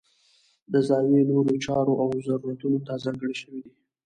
د زاویې نورو چارو او ضرورتونو ته ځانګړې شوي دي.